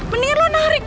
mendingan lu narik